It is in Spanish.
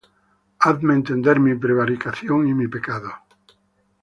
Hazme entender mi prevaricación y mi pecado.